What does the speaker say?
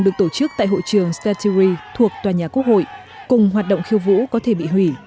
được tổ chức tại hội trường staturi thuộc tòa nhà quốc hội cùng hoạt động khiêu vũ có thể bị hủy